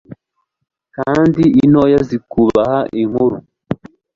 kandi intoya zikubaha inkuru.